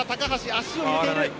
足を入れている。